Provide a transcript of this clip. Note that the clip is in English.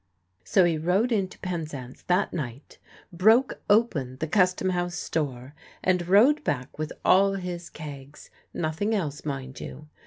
So he rode into Penzance that night, broke open the Custom House store, and rode back with all his kegs; nothing else, mind you.